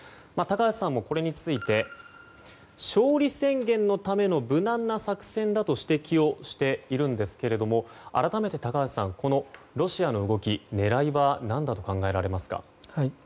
高橋さんもこれについて勝利宣言のための無難な作戦だと指摘をしていますが改めて高橋さんこのロシアの動き狙いは何だと考えられますか？